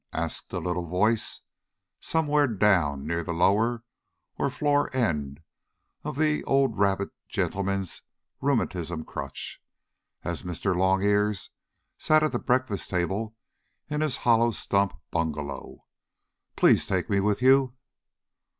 asked a little voice, somewhere down near the lower, or floor end, of the old rabbit gentleman's rheumatism crutch, as Mr. Longears sat at the breakfast table in his hollow stump bungalow. "Please take me with you!"